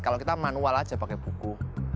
kalau kita manual aja pakai buku